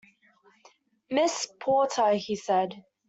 "Mrs. Porter," he said.